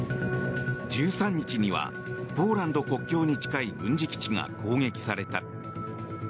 １３日にはポーランド国境に近い軍事基地が攻撃された。